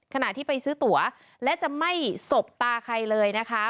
ขณะที่ไปซื้อตั๋วและจะไม่สบตาใครเลยนะคะ